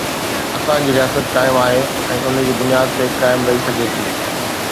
اسان جي رياست قائم آهي ۽ ان جي بنياد تي قائم رهي سگهي ٿي.